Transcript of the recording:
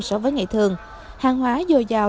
so với ngày thường hàng hóa dồi dào